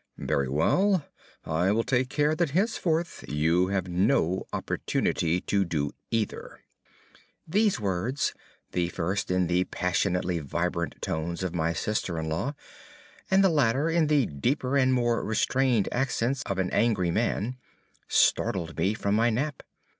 "Very well; I will take care that henceforth you have no opportunity to do either." These words the first in the passionately vibrant tones of my sister in law, and the latter in the deeper and more restrained accents of an angry man startled me from my nap.